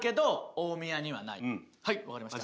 はいわかりました。